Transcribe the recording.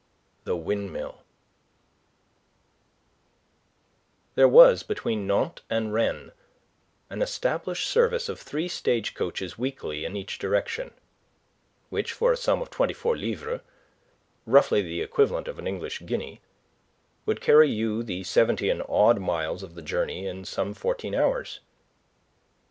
THE WINDMILL There was between Nantes and Rennes an established service of three stage coaches weekly in each direction, which for a sum of twenty four livres roughly, the equivalent of an English guinea would carry you the seventy and odd miles of the journey in some fourteen hours.